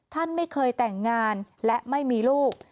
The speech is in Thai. ท่านไม่เคยแต่งงานและไม่มีลูก